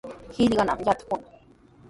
Qillqaytami yatrakunaa.